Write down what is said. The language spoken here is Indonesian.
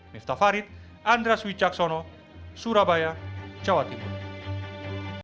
miftah farid andras wicaksono surabaya jawa timur